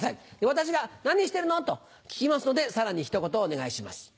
私が「何してるの？」と聞きますのでさらにひと言お願いします。